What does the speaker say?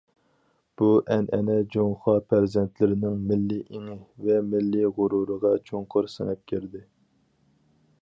بۇ ئەنئەنە جۇڭخۇا پەرزەنتلىرىنىڭ مىللىي ئېڭى ۋە مىللىي غۇرۇرىغا چوڭقۇر سىڭىپ كىردى.